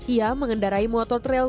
ia mengendarai motor trail